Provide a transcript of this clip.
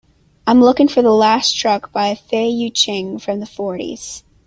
I'm looking for the last track by Fei Yu Ching from the fourties